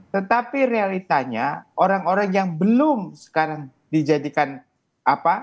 tetapi realitanya orang orang yang belum sekarang dijadikan apa